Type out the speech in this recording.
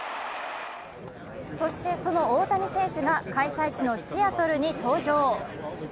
そして、その大谷選手が開催地のシアトルに登場。